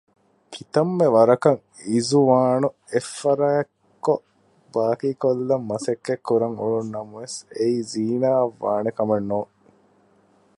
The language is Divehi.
ކިތައްމެ ވަރަކަށް އިޒުވާނު އެއްފަރާތްކޮށް ބާކީކޮށްލަން މަސައްކަތް ކުރަން އުޅުނަމަވެސް އެއީ ޒީނާއަށް ވާނެ ކަމެއް ނޫން